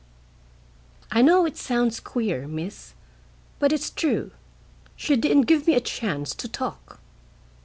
"I know it sounds queer, Miss, but it's true. She didn't give me a chance to talk."